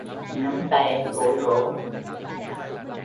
Nắm tay em bối rối.